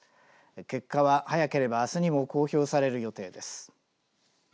結果は早ければあすにも公表される予定です。